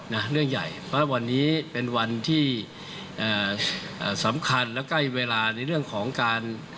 เพราะวันนี้เป็นวันที่สำคัญและใกล้เวลาในเรื่องของการ